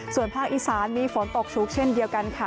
ส่วนภาคอีสานมีฝนตกชุกเช่นเดียวกันค่ะ